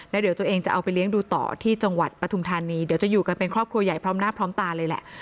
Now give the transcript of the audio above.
แล้วเดี๋ยวตัวเองจะเอาไปเลี้ยงดูต่อที่จังหวัดปฐุมธานีเดี๋ยวจะอยู่กันเป็นครอบครัวใหญ่พร้อมหน้าพร้อมตาเลยแหละ